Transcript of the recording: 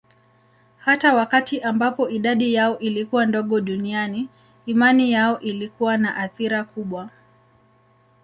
Hata wakati ambapo idadi yao ilikuwa ndogo duniani, imani yao ilikuwa na athira kubwa.